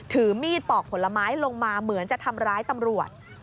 ถือมีดปอกผลไม้ลงมาเหมือนจะทำร้ายตำรวจ